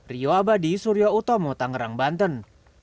rio abadi surya utomo tangerang banten